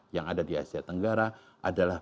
yang ada di asia tenggara adalah